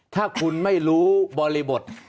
ถ้าคุณไม่รู้บริบท